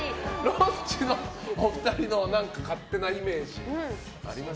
ロッチのお二人の勝手なイメージはありますか？